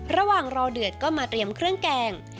ระหว่างรอเดือดก็มาเตรียมเครื่องแกง